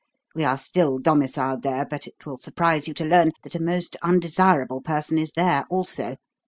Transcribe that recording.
We are still domiciled there, but it will surprise you to learn that a most undesirable person is there also.